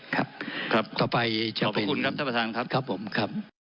ครับครับต่อไปขอบพระคุณครับท่านประธานครับครับผมครับ